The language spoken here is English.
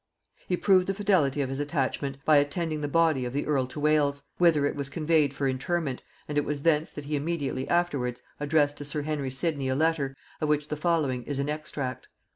He proved the fidelity of his attachment by attending the body of the earl to Wales, whither it was conveyed for interment, and it was thence that he immediately afterwards addressed to sir Henry Sidney a letter, of which the following is an extract.